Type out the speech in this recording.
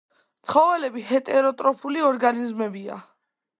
ცხოველები ჰეტეროტროფული ორგანიზმებია.